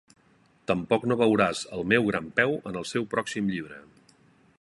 Tampoc no veuràs el meu gran peu en el seu pròxim llibre.